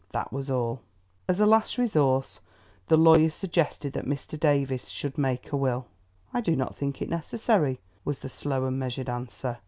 That was all. As a last resource, the lawyer suggested that Mr. Davies should make a will. "I do not think it necessary," was the slow and measured answer.